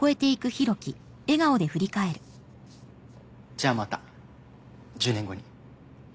じゃあまた１０年後に。